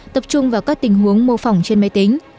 tập trung vào các tình huống mô phỏng trên máy tính